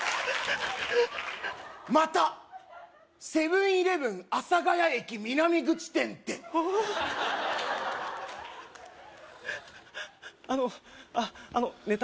またセブン−イレブン阿佐ケ谷駅南口店であのあっあのネタ